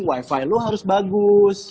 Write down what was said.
wi fi lu harus bagus